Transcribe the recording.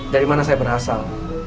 dari mana saya berasal